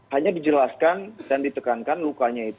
hanya dijelaskan dan ditekankan lukanya itu